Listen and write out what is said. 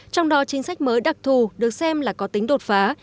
trong đó chính sách mới đặc thù được xem là có tính đột phá